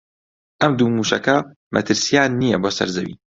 ئەم دوو مووشەکە مەترسییان نییە بۆ سەر زەوی